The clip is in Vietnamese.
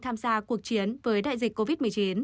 tham gia cuộc chiến với đại dịch covid một mươi chín